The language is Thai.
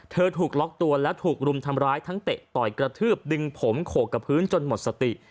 ถูกล็อกตัวแล้วถูกรุมทำร้ายทั้งเตะต่อยกระทืบดึงผมโขกกับพื้นจนหมดสติ